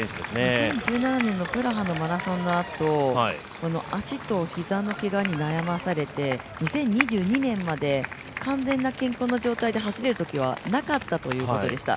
２０１７年のプラハのマラソンのあと、足と膝のけがに悩まされて、２０２２年まで完全な健康の状態で走れることはなかったということでした。